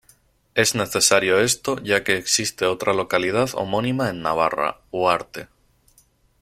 Es necesario esto ya que existe otra localidad homónima en Navarra: Huarte.